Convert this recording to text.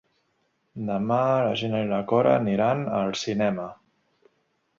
Demà na Gina i na Cora aniran al cinema.